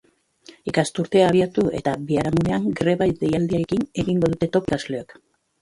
Ikasturtea abiatu eta biharamunean greba deialdiarekin egingo dute topo ikasleok.